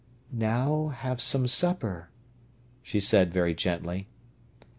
"Now have some supper," she said very gently.